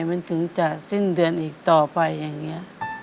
มันถึงจะสิ้นเดือนอีกต่อไปอย่างนี้